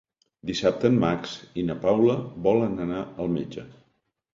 Dissabte en Max i na Paula volen anar al metge.